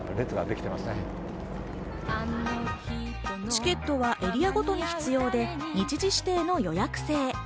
チケットはエリアごとに必要で、日時指定の予約制。